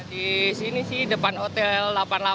disini sih depan hotel delapan puluh delapan